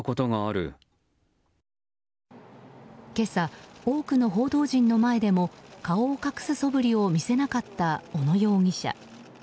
今朝、多くの報道陣の前でも顔を隠すそぶりを見せなかった小野容疑者。